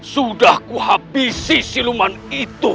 sudah ku habisi siluman itu